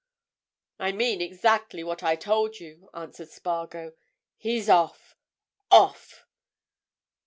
"I mean exactly what I told you," answered Spargo. "He's off! Off!"